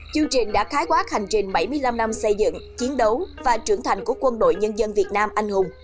chương trình đã khái quát hành trình bảy mươi năm năm xây dựng chiến đấu và trưởng thành của quân đội nhân dân việt nam anh hùng